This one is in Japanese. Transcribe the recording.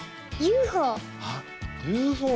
ＵＦＯ。